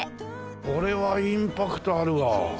これはインパクトあるわ。